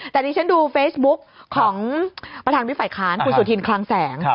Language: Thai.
แต่ดิฉันดูเฟซบุ๊กของประธานวิฝ่ายค้านคุณสุธินคลังแสง